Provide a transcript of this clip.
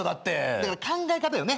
だから考え方よね。